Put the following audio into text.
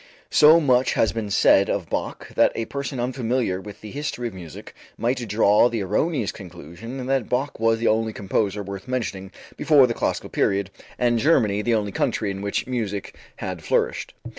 So much has been said of Bach that a person unfamiliar with the history of music might draw the erroneous conclusion that Bach was the only composer worth mentioning before the classical period and Germany the only country in which music had flourished.